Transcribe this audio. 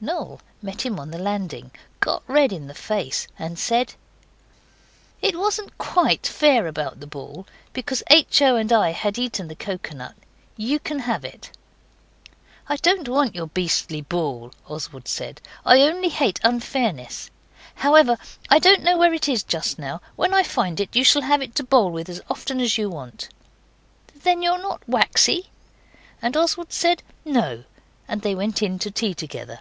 Noel met him on the landing, got red in the face, and said 'It wasn't QUITE fair about the ball, because H. O. and I had eaten the coconut. YOU can have it.' 'I don't want your beastly ball,' Oswald said, 'only I hate unfairness. However, I don't know where it is just now. When I find it you shall have it to bowl with as often as you want.' 'Then you're not waxy?' And Oswald said 'No' and they went in to tea together.